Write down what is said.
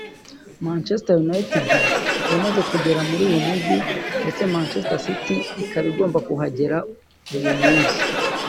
Manchester United yamaze kugera muri uyu Mujyi ndetse na Manchester City ikaba igomba kuhagera uyu munsi